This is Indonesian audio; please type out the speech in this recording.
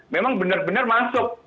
memang benar benar masuk